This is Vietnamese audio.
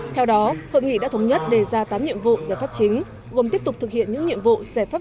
theo đó hội nghị đã thống nhất đề ra tám nhiệm vụ giải pháp chính gồm tiếp tục thực hiện những nhiệm vụ giải pháp